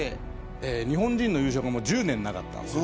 日本人の優勝が１０年なかったんです。